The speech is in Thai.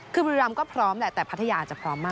คือบุรีรำก็พร้อมแหละแต่พัทยาจะพร้อมมาก